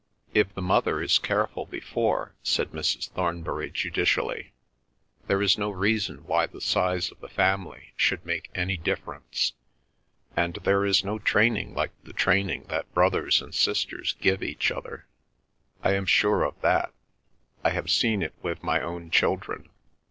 "If the mother is careful before," said Mrs. Thornbury judicially, "there is no reason why the size of the family should make any difference. And there is no training like the training that brothers and sisters give each other. I am sure of that. I have seen it with my own children.